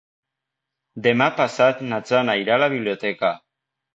Demà passat na Jana irà a la biblioteca.